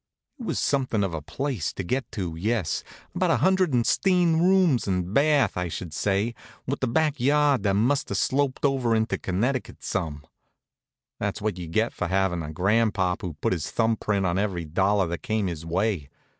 It was somethin' of a place to get to, yes about a hundred and 'steen rooms and bath, I should say, with a back yard that must have slopped over into Connecticut some. That's what you get by havin' a grandpop who put his thumb print on every dollar that came his way.